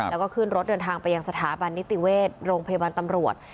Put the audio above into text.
แล้วก็ขึ้นรถเดินทางไปยังสถาบันนิติเวชโรงพยาบาลตำรวจ